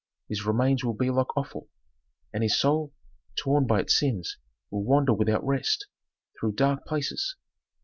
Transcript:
His remains will be like offal, and his soul, torn by its sins, will wander without rest, through dark places.'"